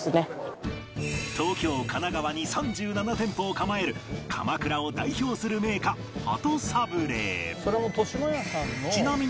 東京神奈川に３７店舗を構える鎌倉を代表する銘菓ちなみに